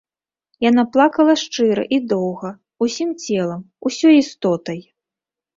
Яна плакала шчыра і доўга, усім целам, усёй істотай.